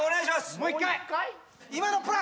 もう１回。